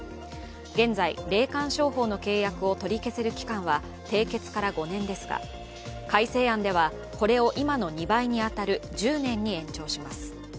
現在、霊感商法の契約を取り消せる期間は締結から５年ですが、改正案ではこれを今の２倍に当たる１０年に延長します。